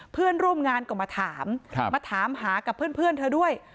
เพื่อนร่วมงานก็มาถามมาถามหากับเพื่อนเธอด้วย